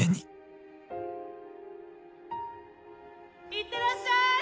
いってらっしゃい！